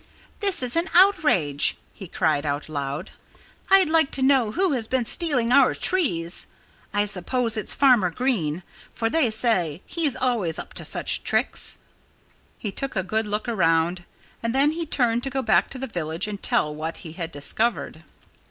"This is an outrage!" he cried aloud. "I'd like to know who has been stealing our trees. I suppose it's Farmer Green; for they say he's always up to such tricks." He took a good look around. And then he turned to go back to the village and tell what he had discovered.